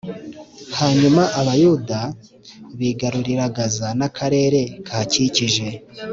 Hanyuma Abayuda bigarurira Gaza n’akarere kahakikije,